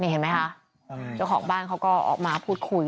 เห็นไหมคะเจ้าของบ้านเขาก็ออกมาพูดคุย